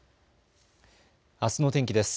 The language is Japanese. あすの天気です。